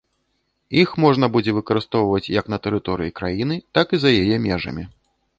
Іх можна будзе выкарыстоўваць як на тэрыторыі краіны, так і за яе межамі.